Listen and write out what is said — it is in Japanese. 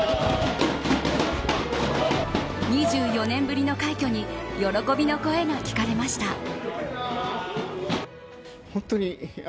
２４年ぶりの快挙に喜びの声が聞かれました。